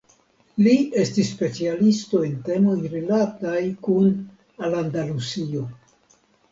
Li estis specialisto en temoj rilataj kun Alandalusio.